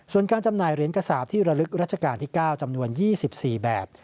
ส่วนการจำหน่ายเหรียญกระสาปที่ระลึกรัชกาลที่๙จำนวน๒๔แบบ